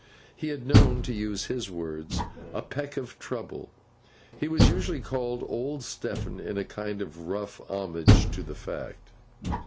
He had known, to use his words, a peck of trouble. He was usually called Old Stephen, in a kind of rough homage to the fact.